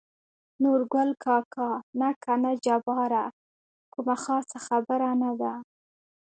نورګل کاکا: نه کنه جباره کومه خاصه خبره نه ده.